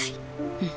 うん。